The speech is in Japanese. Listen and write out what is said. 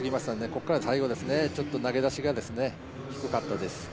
ここから最後、ちょっと投げ出しが低かったです。